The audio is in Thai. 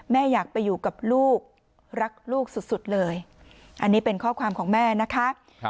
แม่อยากไปอยู่กับลูกรักลูกสุดเลยอันนี้เป็นข้อความของแม่นะคะ